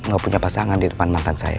gak punya pasangan di depan mantan saya